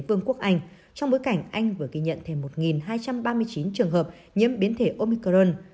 vương quốc anh trong bối cảnh anh vừa ghi nhận thêm một hai trăm ba mươi chín trường hợp nhiễm biến thể omicron